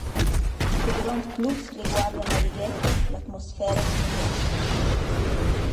Sco grond plus resguarda Marighetto l’atmosfera familiara.